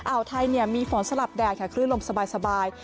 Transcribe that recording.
อ่าวไทยมีฝนสลับแดดค่ะคลื่นลมสบาย